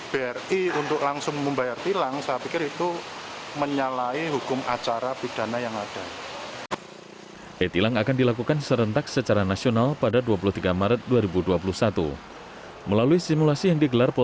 nah kalau tadi yang disampaikan pak nanang bahwa setelah mendapatkan konfirmasi kemudian lalu dikirimkan surat tilang